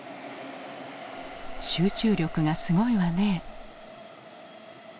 「集中力がすごいわね」。